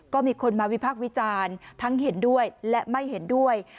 ก็มีคนมาวิพากษ์วิจารณ์ทั้งเห็นด้วยและไม่เห็นด้วย